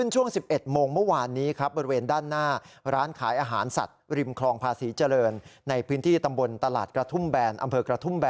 จังหวัดสมุทรสาครนะครับ